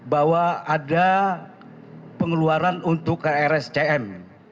bahwa ada pengeluaran untuk rscm